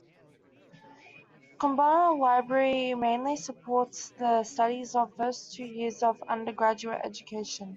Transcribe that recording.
Komaba Library mainly supports the studies of the first two years of undergraduate education.